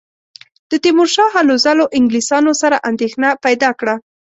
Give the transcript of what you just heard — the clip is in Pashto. د تیمورشاه هلو ځلو انګلیسیانو سره اندېښنه پیدا کړه.